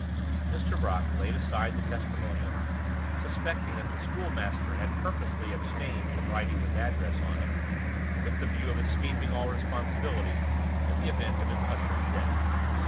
Mr. Brock laid aside the testimonial, suspecting that the schoolmaster had purposely abstained from writing his address on it, with the view of escaping all responsibility in the event of his usher's death.